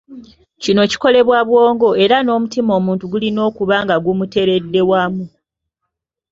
Kino kikolebwa bwongo, era n’omutima omuntu gulina okuba nga gumuteredde wamu.